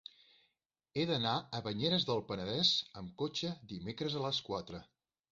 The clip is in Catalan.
He d'anar a Banyeres del Penedès amb cotxe dimecres a les quatre.